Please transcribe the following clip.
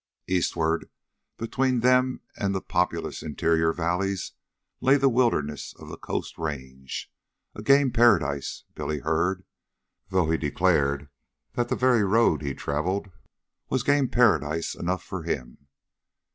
Eastward, between them and the populous interior valleys, lay the wilderness of the Coast Range a game paradise, Billy heard; though he declared that the very road he traveled was game paradise enough for him.